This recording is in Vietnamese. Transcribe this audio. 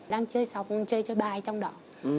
đang chơi sóc chơi chơi bài trong đó